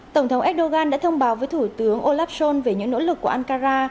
tổng thống erdogan đã thông báo với thủ tướng olaf schol về những nỗ lực của ankara